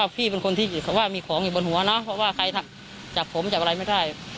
ผมมีของอยู่บนหัวเนอะเพราะว่าใครจับผมจับอะไรไม่ได้